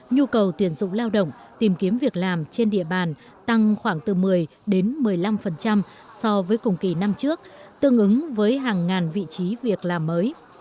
nhu cầu tuyển dụng lao động tìm kiếm việc làm trên địa bàn tăng khoảng từ một mươi đến một mươi năm so với cùng kỳ năm trước tương ứng với hàng ngàn vị trí việc làm mới